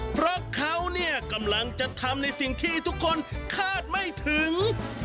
เพราะเขาเนี่ยกำลังจะทำในสิ่งที่ทุกคนคาดไม่ถึง